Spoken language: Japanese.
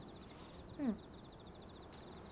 うん。